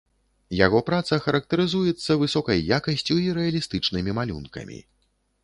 Яго праца характарызуецца высокай якасцю і рэалістычнымі малюнкамі.